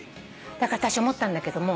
だからあたし思ったんだけども。